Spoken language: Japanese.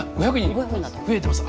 増えてます。